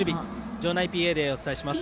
場内ＰＡでお伝えします。